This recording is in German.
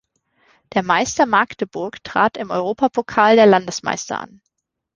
Der Meister Magdeburg trat im Europapokal der Landesmeister an.